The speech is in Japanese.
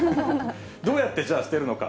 どうやってじゃあ捨てるのか。